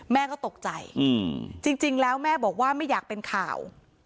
แม่ก็ตกใจจริงแล้วแม่บอกว่าไม่อยากเป็นข่าว